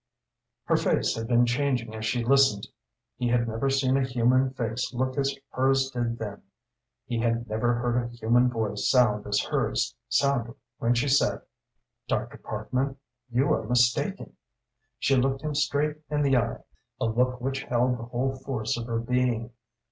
Her face had been changing as she listened. He had never seen a human face look as hers did then; he had never heard a human voice sound as hers sounded when she said: "Dr. Parkman, you are mistaken." She looked him straight in the eye a look which held the whole force of her being.